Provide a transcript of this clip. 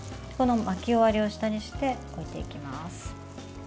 巻き終わりを下にして置いていきます。